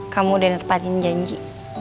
kamu udah ngetepatin janji